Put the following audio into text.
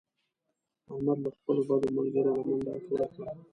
احمد له خپلو بدو ملګرو لمن راټوله کړه.